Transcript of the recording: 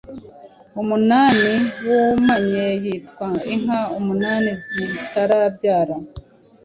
Umunani wumanye yitwa Inka umunani zitarabyara,